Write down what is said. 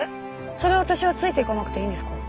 それ私はついていかなくていいんですか？